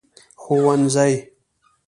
ښوونځي